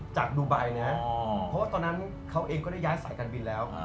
จากดูไบนะเพราะว่าตอนนั้นเขาเองก็ได้ย้ายสายการบินแล้ว